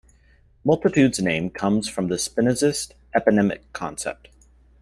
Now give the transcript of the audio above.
"Multitudes's" name comes from the Spinozist eponymic concept.